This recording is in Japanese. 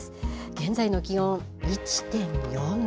現在の気温１．４度。